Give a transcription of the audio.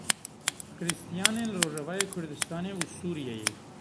Xiristiyanên li Rojavayê Kurdistanê û Sûriyeyê.